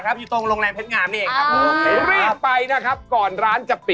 วันนี้ก็เมื่อรู้ซึ้งได้ว่าปิ๊กบ้านหันกลางเก้า